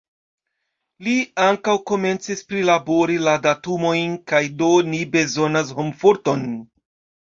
Li ankaŭ komencis prilabori la datumojn kaj do ni bezonas homforton.